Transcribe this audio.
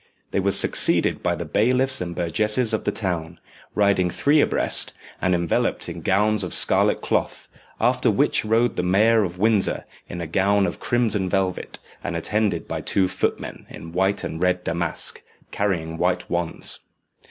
They were succeeded by the bailiffs and burgesses of the town, riding three abreast, and enveloped in gowns of scarlet cloth; after which rode the mayor of Windsor in a gown of crimson velvet, and attended by two footmen, in white and red damask, carrying white wands.